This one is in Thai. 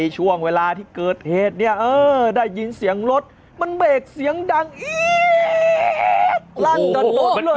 ช่วงเวลาที่เกิดเหตุนี้ได้ยินเสียงรถมันเบกเสียงดังอีฟหลั่งเดินโบ๊คเลย